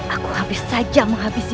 aku hampir saja menghabisi